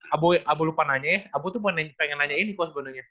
abo lupa nanya ya abo tuh pengen nanya ini kok sebenarnya